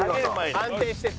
安定してた。